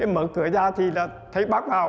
mở cửa ra thì thấy bác vào